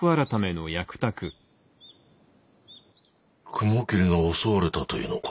雲霧が襲われたというのか？